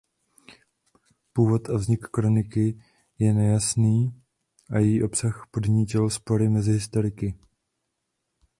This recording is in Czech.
Původ a vznik kroniky je nejasný a její obsah podnítil spory mezi historiky.